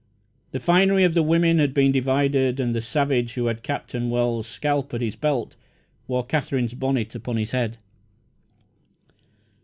The finery of the women had been divided, and the savage who had Captain Wells's scalp at his belt wore Katherine's bonnet upon his head.